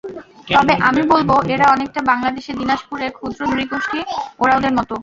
তবে আমি বলব এরা অনেকটা বাংলাদেশের দিনাজপুরের ক্ষুদ্র নৃগোষ্ঠী ওঁরাওদের মতো।